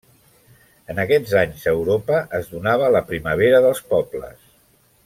En aquests anys a Europa es donava la Primavera dels Pobles.